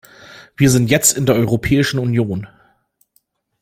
Wir sind jetzt in der Europäischen Union.